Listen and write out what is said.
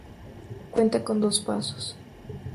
Cuenta con dos pasos.